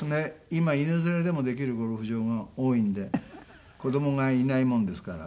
今犬連れでもできるゴルフ場が多いんで子どもがいないもんですから。